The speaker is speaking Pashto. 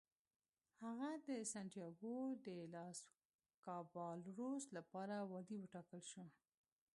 هغه د سنتیاګو ډي لاس کابالروس لپاره والي وټاکل شو.